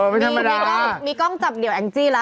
ไม่ธรรมดามีกล้องจับเหลี่ยวแองจิละ